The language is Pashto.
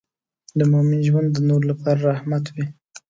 د مؤمن ژوند د نورو لپاره رحمت وي.